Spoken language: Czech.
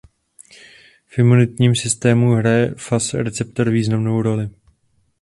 V imunitním systému hraje Fas receptor významnou roli.